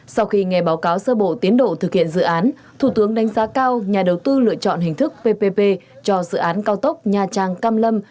sau khi nghe báo cáo sơ bộ tiến độ thực hiện dự án thủ tướng đánh giá cao nhà đầu tư lựa chọn hình thức ppp cho dự án cao tốc nha trang cam lâm